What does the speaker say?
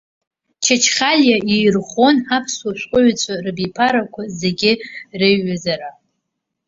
Чачхалиа ирӷәӷәон аԥсуа шәҟәыҩҩцәа рабиԥарақәа зегьы реиҩызара.